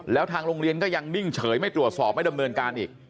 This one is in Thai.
แล้วทางโรงเรียนก็ยังนิ่งเฉยไม่ตรวจสอบไม่ดำเนินการอีก